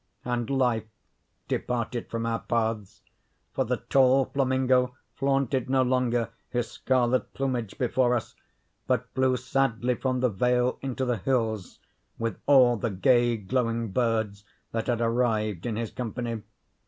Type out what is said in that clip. And Life departed from our paths; for the tall flamingo flaunted no longer his scarlet plumage before us, but flew sadly from the vale into the hills, with all the gay glowing birds that had arrived in his company.